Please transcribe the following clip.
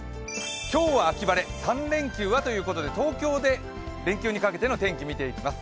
今日秋晴れ、３連休はということで東京で連休にかけての天気を見ていきます。